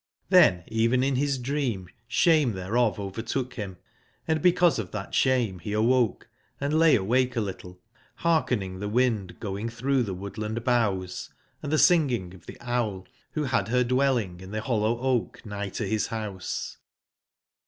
Xlhen even in his dream shame thereof overtook him, and because of that shame he awoke, and lay awake a little, hearken ing the wind going through the woodland boughs, and the singing of the owl who had her dwelling in the hoUowoak nigh to his house.